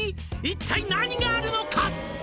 「一体何があるのか」